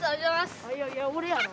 いやいや俺やろ。